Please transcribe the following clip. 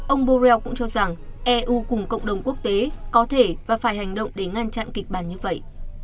ông borrell cũng cho rằng eu cùng cộng đồng quốc tế có thể và phải hành động để ngăn chặn kịch bản như vậy